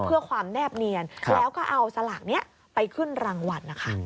เพื่อความแนบเนียนแล้วก็เอาสลากนี้ไปขึ้นรางวัลนะคะ